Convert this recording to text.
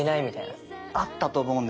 あったと思うんですよ。